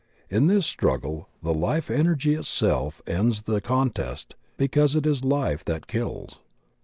In this struggle the Life Energy itself ends the contest because it is life that kills.